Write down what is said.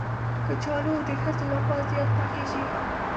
کچالو د ښځو لخوا زیات پخېږي